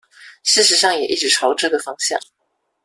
事實上也一直朝這個方向